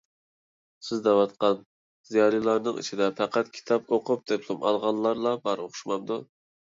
سىز دەۋاتقان زىيالىيلارنىڭ ئىچىدە پەقەت كىتاب ئوقۇپ دىپلوم ئالغانلار بار ئوخشىمامدۇ؟